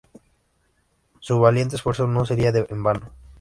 Su valiente esfuerzo no sería en vano.